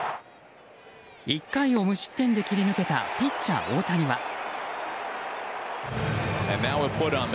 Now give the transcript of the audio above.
１回を無失点で切り抜けたピッチャー大谷は。